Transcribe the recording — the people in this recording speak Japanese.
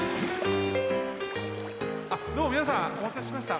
あっどうもみなさんおまたせしました。